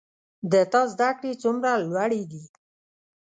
د تا زده کړي څومره لوړي دي